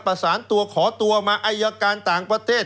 ประสานตัวขอตัวมาอายการต่างประเทศ